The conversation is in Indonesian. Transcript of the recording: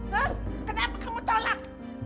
hah kenapa kamu tolak